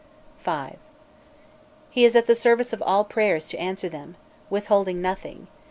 "V. He is at the service of all prayers to answer them, withholding nothing.